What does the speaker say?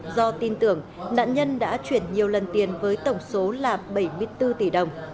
do tin tưởng nạn nhân đã chuyển nhiều lần tiền với tổng số là bảy mươi bốn tỷ đồng